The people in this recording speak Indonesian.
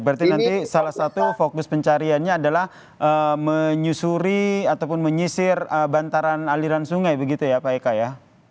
berarti nanti salah satu fokus pencariannya adalah menyusuri ataupun menyisir bantaran aliran sungai begitu ya pak eka ya